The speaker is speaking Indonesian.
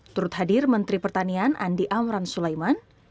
turut hadir menteri pertanian andi amran sulaiman